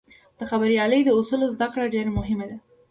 د خبریالۍ د اصولو زدهکړه ډېره مهمه ده.